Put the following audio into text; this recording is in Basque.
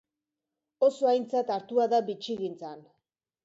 Oso aintzat hartua da bitxigintzan.